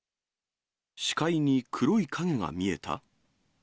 視界に黒い影が見えた？